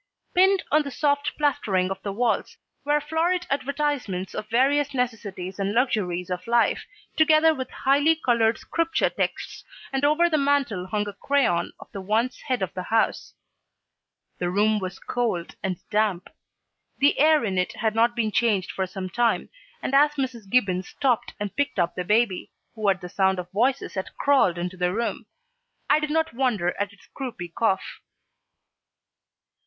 Pinned on the soft plastering of the walls were florid advertisements of various necessities and luxuries of life, together with highly colored Scripture texts, and over the mantel hung a crayon of the once head of the house. The room was cold and damp. The air in it had not been changed for some time, and as Mrs. Gibbons stopped and picked up the baby, who at the sound of voices had crawled into the room, I did not wonder at its croupy cough.